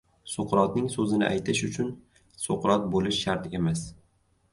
• Suqrotning so‘zini aytish uchun Suqrot bo‘lish shart emas.